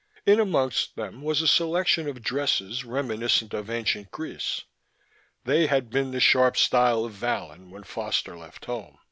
In amongst them was a selection of dresses reminiscent of ancient Greece. They had been the sharp style of Vallon when Foster left home.